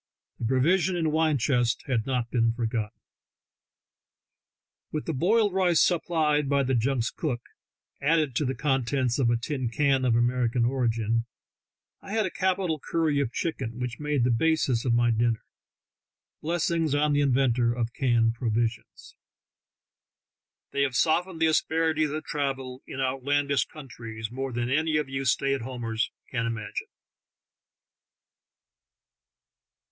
The provision and wine chcvsts had not been forgotten. With the boiled rice supplied by the junk's cook, added to the contents of a tin can of American origin, I had a capital curry of chicken, which made the basis of my dinner. Blessings on the inventor of canned provisions ! They have softened the asper ities of travel in outlandish countries more than any of you stay at homers can imagine.